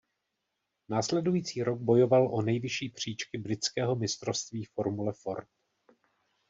Následující rok bojoval o nejvyšší příčky britského mistrovství Formule Ford.